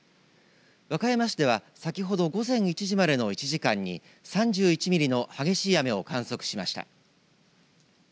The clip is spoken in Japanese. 和歌山市では先ほど午前１時までの１時間に３１ミリの激しい雨を観測しました。